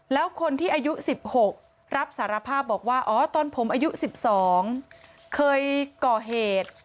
แล้วคนที่อายุ๑๖รับสารภาพบอกว่าอ๋อตอนผมอายุ๑๒เคยก่อเหตุ